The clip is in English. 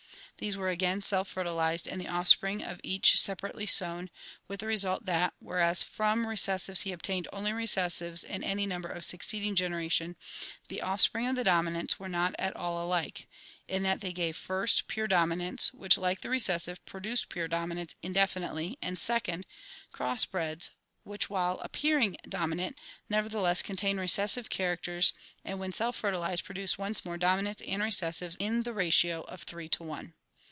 These were again self fertilized and the offspring of each separately sown, with the result that, whereas from recessives he obtained only recessives in any number of suc ceeding generations, the offspring of the dominants were not at all alike, in that they gave, first, pure dominants which, like the recessives, produced pure dominants indefiriitely and second, cross HEREDITY 159 breds which while appearing dominant, nevertheless contained recessive characters and when self fertilized produced once more dominants and recessives in the ratio of three to one.